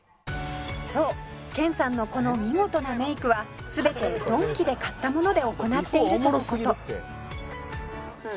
「そう研さんのこの見事なメイクは全てドンキで買ったもので行っているとの事」